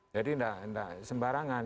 jadi tidak sembarangan